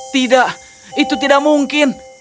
tidak itu tidak mungkin